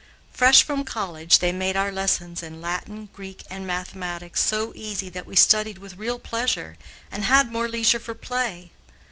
Fresh from college, they made our lessons in Latin, Greek, and mathematics so easy that we studied with real pleasure and had more leisure for play.